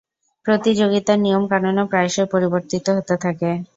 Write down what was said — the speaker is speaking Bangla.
প্রতিযোগিতার নিয়ম-কানুনও প্রায়শই পরিবর্তিত হতে থাকে।